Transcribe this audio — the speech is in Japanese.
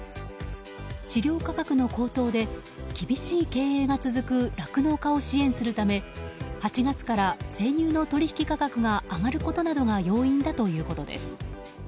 飼料価格の高騰で厳しい経営が続く酪農家を支援するため８月から生乳の取引価格が上がることなどが要因だということです。